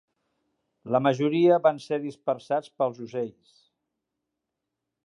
La majoria van ser dispersats pels ocells.